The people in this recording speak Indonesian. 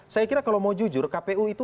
saya kira kalau mau jujur kpu itu